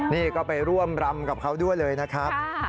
นี่ก็ไปร่วมรำกับเขาด้วยเลยนะครับ